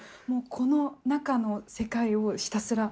この中の世界をひたすら。